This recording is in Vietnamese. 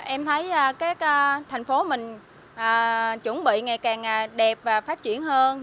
em thấy các thành phố mình chuẩn bị ngày càng đẹp và phát triển hơn